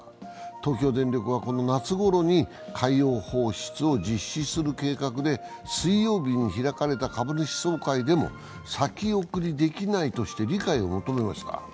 東京電力は夏ごろに海洋放出を実施する計画で、水曜日に開かれた株主総会でも、先送りできないとして理解を求めました。